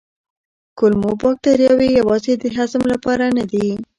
کولمو بکتریاوې یوازې د هضم لپاره نه دي.